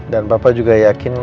dan papa juga yakin